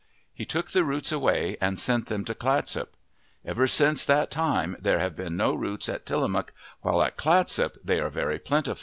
He took the roots away and sent them to Clatsop. Ever since that time there have been no roots at Tillamook while at Clatsop they are very plentiful.